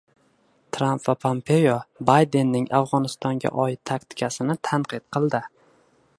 Tramp va Pompeo Baydenning Afg‘onistonga oid taktikasini tanqid qildi